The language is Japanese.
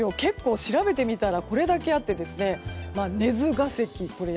調べてみたらこれだけあって、鼠ヶ関